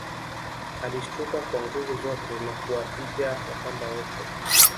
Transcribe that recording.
Alishtuka kwa nguvu zote na kuwapiga Wakamba wote